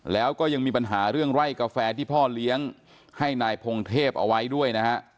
แล้วก็ยังมีปัญหาเรื่องไร่กาแฟที่พ่อเลี้ยงให้นายพงเทพเอาไว้ด้วยนะฮะ